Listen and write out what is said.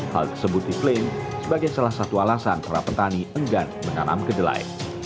hal tersebut diklaim sebagai salah satu alasan para petani enggan menanam kedelai